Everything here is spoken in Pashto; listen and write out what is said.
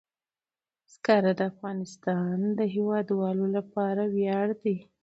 زغال د افغانستان د هیوادوالو لپاره ویاړ دی.